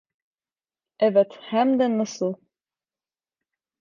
Evet, hem de nasıl.